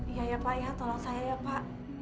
iya ya pak ya tolong saya ya pak